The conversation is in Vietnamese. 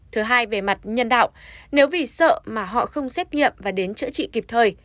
thứ hai về mặt nhân đạo nếu vì sợ mà họ không xét nghiệm và đến chữa trị kịp thời